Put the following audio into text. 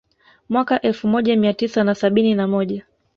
Mwaka elfu moja Mia tisa na sabini na moja